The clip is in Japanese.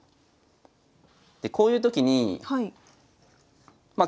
でこういうときにまあ